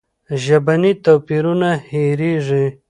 ژبني توپیرونه هېرېږي.